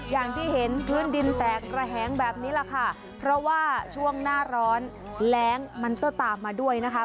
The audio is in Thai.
อย่างที่เห็นพื้นดินแตกระแหงแบบนี้แหละค่ะเพราะว่าช่วงหน้าร้อนแรงมันก็ตามมาด้วยนะคะ